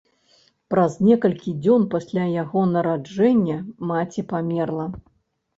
Праз некалькі дзён пасля яго нараджэння маці памерла.